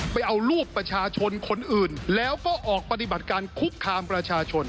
ไปเอารูปประชาชนคนอื่นแล้วก็ออกปฏิบัติการคุกคามประชาชน